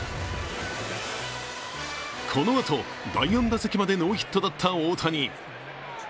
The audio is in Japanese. このあと、第４打席までノーヒットだった大谷。